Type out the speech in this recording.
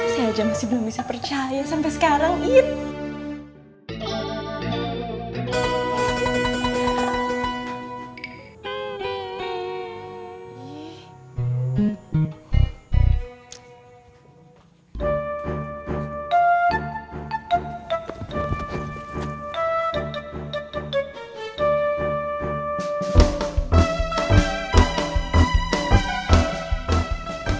saya aja masih belum bisa percaya sampe sekarang it